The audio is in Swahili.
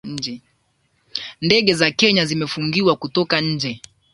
Ndege za kenya zimefungiwa kutoka nje